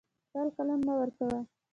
خپل قلم مه ورکوه.